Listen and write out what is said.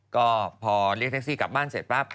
ก็พอเรียกแท็กซี่กลับบ้านเสร็จปั๊บ